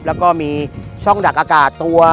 แล้วก็มีช่องดักอากาศตัว